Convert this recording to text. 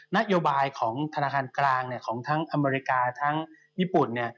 นโยบายของธนาคารกลางของทั้งอเมริกาทั้งญี่ปุ่น